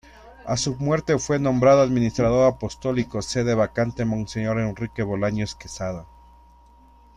A su muerte fue nombrado Administrador Apostólico Sede Vacante Monseñor Enrique Bolaños Quesada.